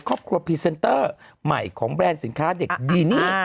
พรีเซนเตอร์ใหม่ของแบรนด์สินค้าเด็กดีนี่